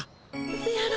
せやろ。